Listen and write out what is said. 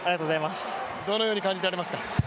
どのように感じられますか？